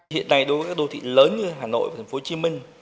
hiện nay đối với các đô thị lớn như hà nội và tp hcm